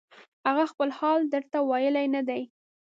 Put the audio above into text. هغه خپل حال درته ویلی نه دی